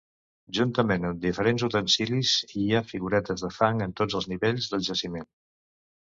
Juntament amb diferents utensilis, hi ha figuretes de fang en tots els nivells del jaciment.